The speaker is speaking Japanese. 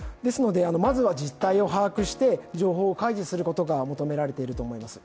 まずは実態を把握して情報を開示することが求められていると思います。